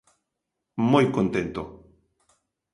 Moi contento.